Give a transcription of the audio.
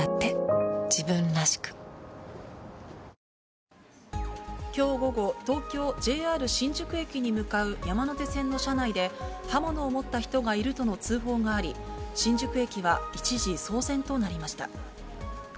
続くきょう午後、東京・ＪＲ新宿駅に向かう山手線の車内で、刃物を持った人がいるとの通報があり、新宿駅は一時騒然となりました。